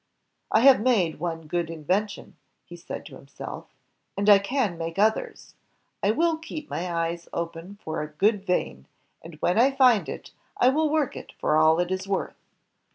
"I have made one good invention," he said to himself, "and I can make others. I will keep my eyes open for a 'good vein,' and when I find it, I will work it for all it is worth."